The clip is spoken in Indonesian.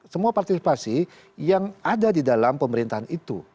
semua partisipasi yang ada di dalam pemerintahan itu